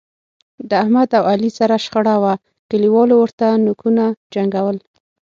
د احمد او علي سره شخړه وه، کلیوالو ورته نوکونو جنګول.